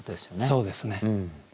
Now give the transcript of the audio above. そうですね。